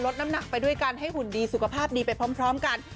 น้ำหนักไปด้วยกันให้หุ่นดีสุขภาพดีไปพร้อมกัน